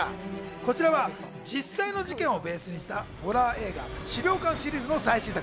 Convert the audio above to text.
こちらは実際の事件をベースにしたホラー映画『死霊館』シリーズの最新作。